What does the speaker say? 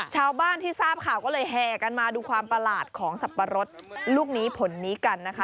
ชาวบ้านที่ทราบข่าวก็เลยแห่กันมาดูความประหลาดของสับปะรดลูกนี้ผลนี้กันนะคะ